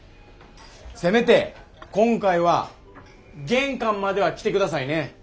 せめて今回は玄関までは来てくださいね。